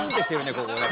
ここね。